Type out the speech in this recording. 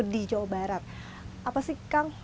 di jawa barat apa sih kang